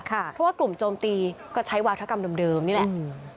เพราะว่ากลุ่มโจมตีก็ใช้วาธกรรมเดิมนี่แหละ